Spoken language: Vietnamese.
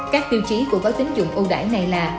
các tiêu chí của gói tính dụng ưu đại này là